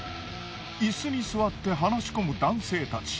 椅子に座って話し込む男性たち。